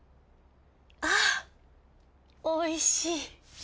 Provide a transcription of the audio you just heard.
あおいしい。